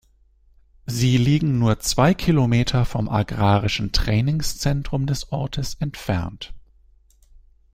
Sie liegen nur zwei Kilometer vom Agrarischen Trainingszentrum des Ortes entfernt.